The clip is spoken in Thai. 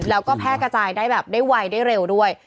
แล้วก็แพร่กระจายได้แบบได้ไวได้เร็วด้วย